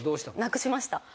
なくしました。